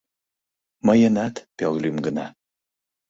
— Мыйынат пел лӱм гына.